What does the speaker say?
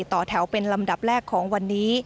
ต่อแถวเป็นลำดับแรกของวันนี้